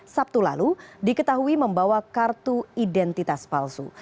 sabtu lalu diketahui membawa kartu identitas palsu